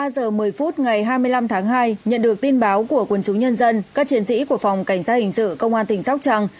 một mươi giờ một mươi phút ngày hai mươi năm tháng hai nhận được tin báo của quân chúng nhân dân các chiến sĩ của phòng cảnh sát hình sự công an tỉnh sóc trăng